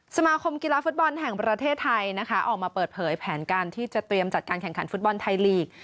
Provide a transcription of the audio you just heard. สมาคมกีฬาฟุตบอลแห่งประเทศไทยนะคะออกมาเปิดเผยแผนการที่จะเตรียมจัดการแข่งขันฟุตบอลไทยลีก